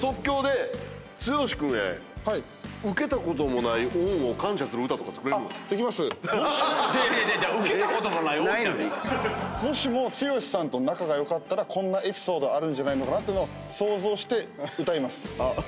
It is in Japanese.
ないのに⁉もしも剛さんと仲が良かったらこんなエピソードあるんじゃないのかなってのを想像して歌います。